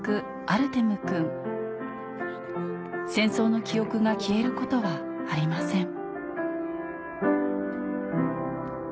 アルテムくん戦争の記憶が消えることはありません